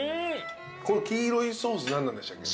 この黄色いソース何なんでしたっけ？